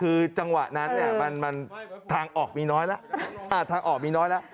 คือจังหวะนั้นมันทางออกมีน้อยแล้ว